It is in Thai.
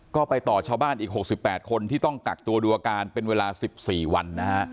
ก็ไปต่อชาวบ้านอีก๖๘คนที่ต้องกักตัวดูอาการเป็นเวลา๑๔วันนะฮะ